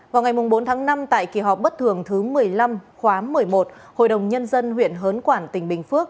vào ngày bốn tháng năm tại kỳ họp bất thường thứ một mươi năm khóa một mươi một hội đồng nhân dân huyện hớn quản tỉnh bình phước